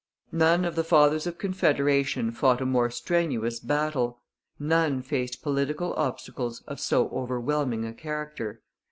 None of the Fathers of Confederation fought a more strenuous battle. None faced political obstacles of so overwhelming a character.